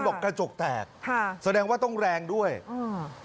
บอกกระจกแตกค่ะแสดงว่าต้องแรงด้วยอืม